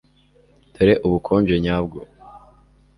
dore ubukonje nyabwo